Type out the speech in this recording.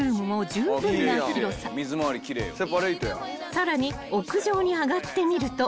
［さらに屋上に上がってみると］